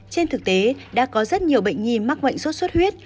trên thực tế đã có rất nhiều bệnh nhi mắc mạnh sốt huyết